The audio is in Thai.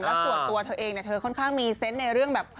แล้วส่วนตัวเธอเองเธอค่อนข้างมีเซนต์ในเรื่องแบบ